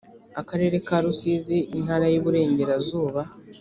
akarere ka rusizi intara y iburengerazuba